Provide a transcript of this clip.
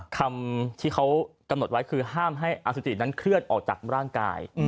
คำที่เขากำหนดไว้คือห้ามให้อสุจินั้นเคลื่อนออกจากร่างกาย